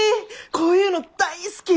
こういうの大好き！